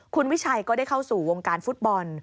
คุณวิชัยก็ได้เข้าสู่วงการฟุตบอล